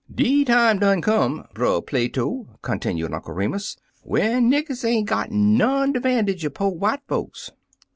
"De time done come, Brer Plato," con tinued Uncle Remus, "when niggers ain't got none de 'vantage er po' white folks.